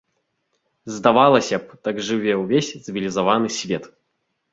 Здавалася б, так жыве ўвесь цывілізаваны свет.